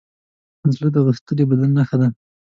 زړه د غښتلي بدن نښه ده.